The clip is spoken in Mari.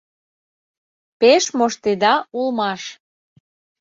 Пеш моштеда улмаш!